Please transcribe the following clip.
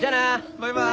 バイバイ。